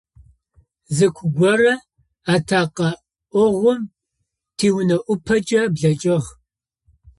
Зы ку горэ атэкъэӏогъум тиунэ ӏупэкӏэ блэкӏыгъ.